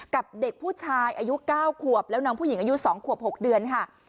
กับเด็กผู้ชายอายุ๙ขวบแล้วน้องผู้หญิงอายุ๒ขวบ๖เดือนค่ะ